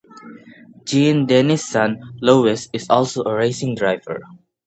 Jean-Denis's son, Louis, is also a racing driver.